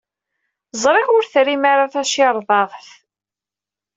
Ẓriɣ ur trim ara tacirḍart.